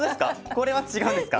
これは違うんですか。